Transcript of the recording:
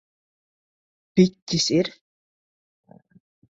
Piķis ir?